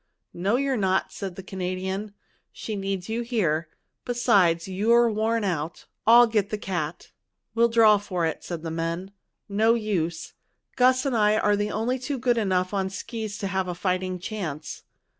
"No, you're not," said the Canadian. "She needs you here. Besides, you're worn out. I'll get the cat." "We'll draw for it," said the men. "No use. Gus and I are the only two good enough on skis to have a fighting chance."